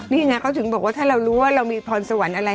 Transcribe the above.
นี่ไงเขาถึงบอกว่าถ้าเรารู้ว่าเรามีพรสวรรค์อะไร